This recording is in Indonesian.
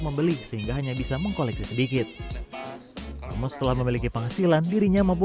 membeli sehingga hanya bisa mengkoleksi sedikit namun setelah memiliki penghasilan dirinya mampu